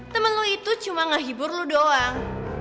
temen lu itu cuma ngehibur lu doang